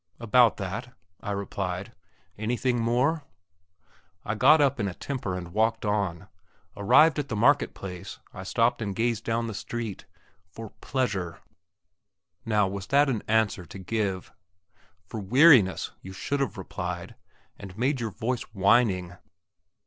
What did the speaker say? "About that," I replied; "anything more?" I got up in a temper and walked on. Arrived at the market place, I stopped and gazed down the street. For pleasure. Now, was that an answer to give? For weariness, you should have replied, and made your voice whining.